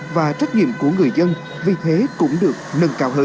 ý thức và trách nhiệm của người dân vì thế cũng được nâng cao hơn